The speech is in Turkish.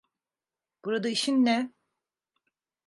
Burada işin ne?